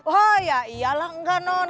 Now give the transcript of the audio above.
oh ya iyalah enggak non